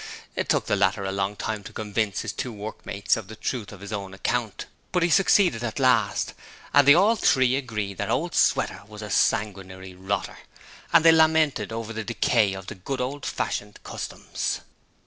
It took the latter a long time to convince his two workmates of the truth of his own account, but he succeeded at last, and they all three agreed that Old Sweater was a sanguinary rotter, and they lamented over the decay of the good old fashioned customs.